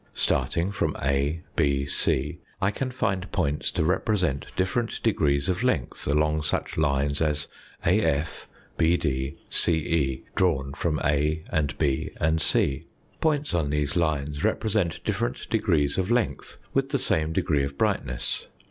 Starting from A, B, c, I can find points to represent different E degrees of length along such lines as I AF, BD, CE, drawn from A and B and C. '' Points on these lines represent different 2i degrees of length with the same degree of brightness.